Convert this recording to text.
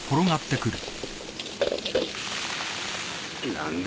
何だ？